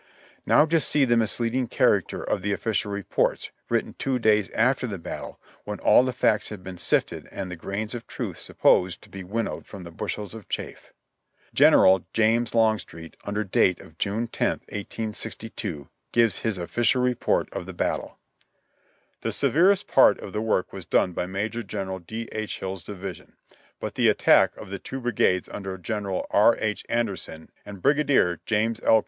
Now just see the misleading character of the official reports, written two days after the battle, when all the facts had been sifted and the grains of truth supposed to be winnowed from the bushels of chaff. General James Longstreet, under date of June 10, 1862, gives his official report of the battle : "The severest part of the work was done by Major General D. H. Hill's division, but the attack of the two brigades under Gen eral R. H. Anderson and Brigadier James L.